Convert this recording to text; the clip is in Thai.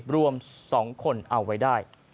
รวม๒คนเอาไว้ได้